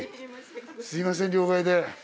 すいません両替で。